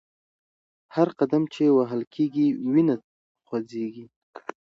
هغه قدم چې وهل کېږي وینه خوځوي.